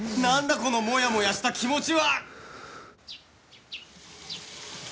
このモヤモヤした気持ちは！